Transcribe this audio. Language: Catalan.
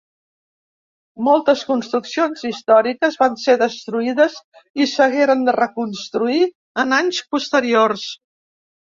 Moltes construccions històriques van ser destruïdes i s'hagueren de reconstruir en anys posteriors.